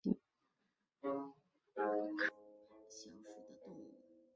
脂肖峭为肖峭科肖峭属的动物。